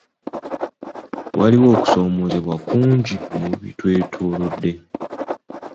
Waliwo okusomoozebwa kungi mu bitwetoolodde.